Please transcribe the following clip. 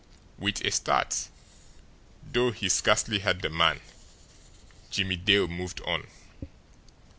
With a start, though he scarcely heard the man, Jimmie Dale moved on.